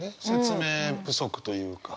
説明不足というか。